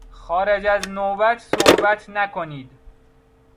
خارج از نوبت صحبت نکنید!